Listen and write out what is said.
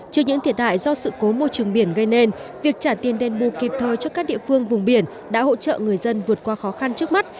trước những thiệt hại do sự cố môi trường biển gây nên việc trả tiền đền bù kịp thời cho các địa phương vùng biển đã hỗ trợ người dân vượt qua khó khăn trước mắt